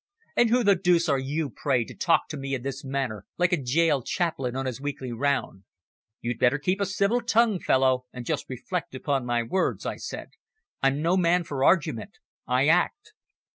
"And who the deuce are you, pray, to talk to me in this manner like a gaol chaplain on his weekly round!" "You'd better keep a civil tongue, fellow, and just reflect upon my words," I said. "I'm no man for argument. I act."